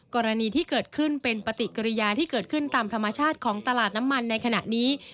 กรณีที่เกิดขึ้นเป็นปฏิกิริยาที่เกิดขึ้นตามธรรมชาติของตลาดน้ำมันในขณะนี้